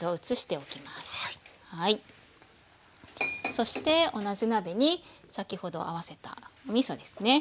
そして同じ鍋に先ほど合わせたおみそですね。